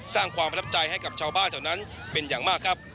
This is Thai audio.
สร้างความประทับใจให้กับชาวบ้านแถวนั้นเป็นอย่างมากครับ